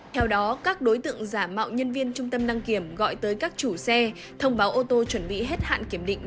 theo đó các đối tượng giả mạo nhân viên trung tâm đăng kiểm gọi tới các chủ xe thông báo ô tô chuẩn bị hết hạn kiểm định